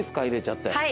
入れちゃって。